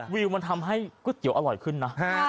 วิวมันทำให้ก๋วยเตี๋ยวอร่อยขึ้นนะ